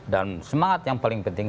dan semangat yang paling penting